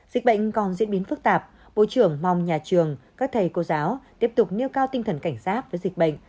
dịch bệnh còn diễn biến phức tạp bộ trưởng mong nhà trường các thầy cô giáo tiếp tục nêu cao tinh thần cảnh giác với dịch bệnh